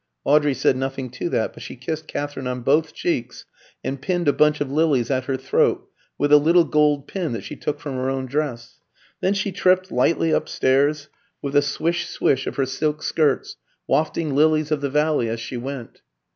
Audrey said nothing to that, but she kissed Katherine on both cheeks, and pinned a bunch of lilies at her throat with a little gold pin that she took from her own dress. Then she tripped lightly upstairs, with a swish, swish, of her silk skirts, wafting lilies of the valley as she went.